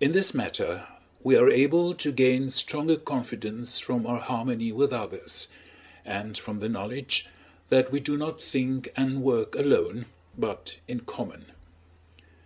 In this matter we are able to gain stronger confidence from our harmony with others, and from the knowledge that we do not think and work alone, but in common.